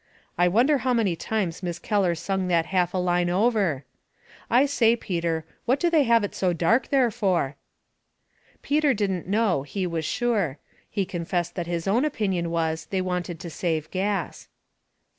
I wonder how many times Miss Keller sung that half a line over ? I say, Peter, what do they have it so dark there for ?" Peter did not know, he was sure. He con fessed that his own opinion was they wanted to save gas.